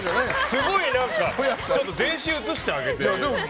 すごい、全身映してあげて。